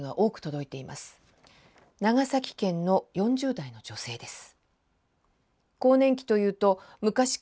長崎県の４０代の女性です。